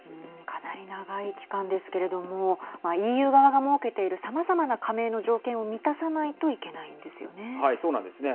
かなり長い期間ですけれどもＥＵ側が設けているさまざまな加盟の条件を満たさないといけないんですよね。